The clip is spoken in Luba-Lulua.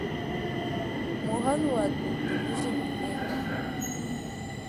Muhanu wa tutu mnujimine.